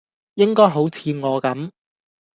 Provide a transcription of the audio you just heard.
應該好似我咁